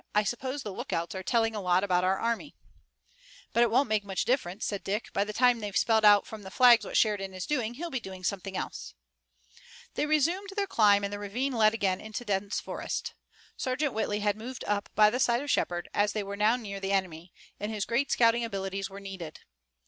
"I suppose the lookouts are telling a lot about our army." "But it won't make much difference," said Dick. "By the time they've spelled out from the flags what Sheridan is doing he'll be doing something else." They resumed their climb and the ravine led again into dense forest. Sergeant Whitley had moved up by the side of Shepard, as they were now near the enemy, and his great scouting abilities were needed.